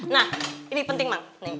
nah ini penting bang